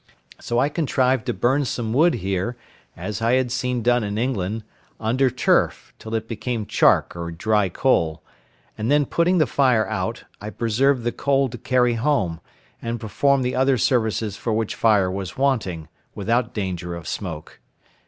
so I contrived to burn some wood here, as I had seen done in England, under turf, till it became chark or dry coal: and then putting the fire out, I preserved the coal to carry home, and perform the other services for which fire was wanting, without danger of smoke.